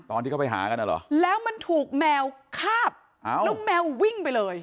ตอนที่เขาไปหากันอ่ะเหรอแล้วมันถูกแมวคาบแล้วแมววิ่งไปเลย